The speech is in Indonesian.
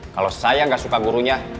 kalau saya nggak suka gurunya